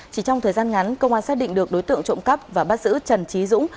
chỉ trong thời gian ngắn công an xác định được đối tượng trộm cắp và bắt giữ trần trí dũng